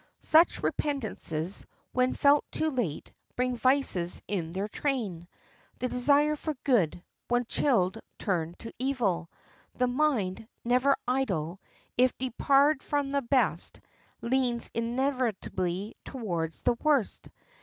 Such repentances, when felt too late, bring vices in their train; the desire for good, when chilled, turns to evil. The mind, never idle, if debarred from the best, leans inevitably toward the worst.